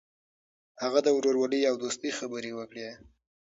هغه د ورورولۍ او دوستۍ خبرې وکړې.